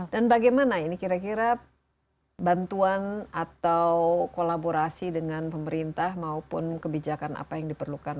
dan bagaimana ini kira kira bantuan atau kolaborasi dengan pemerintah maupun kebijakan apa yang diperlukan